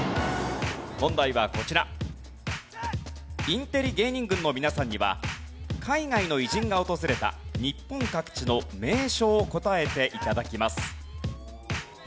インテリ芸人軍の皆さんには海外の偉人が訪れた日本各地の名所を答えて頂きます。